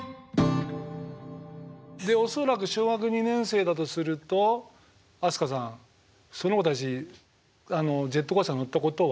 で恐らく小学２年生だとすると飛鳥さんその子たちジェットコースター乗ったことは？